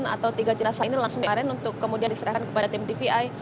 atau tiga jenazah ini langsung diaren untuk kemudian diserahkan kepada tim dvi